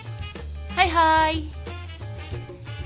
はいはーい